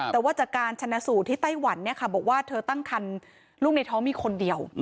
แต่ว่าจากการชนะสูตรที่ไต้หวันบอกว่าเธอตั้งคันลูกในท้องมีคนเดียว